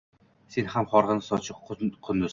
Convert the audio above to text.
Sen ham horg’in, sochi qunduz